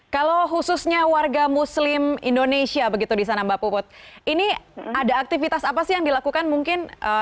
kalau khususnya warga muslim indonesia begitu di sana mbak puput ini ada aktivitas apa sih yang dilakukan mungkin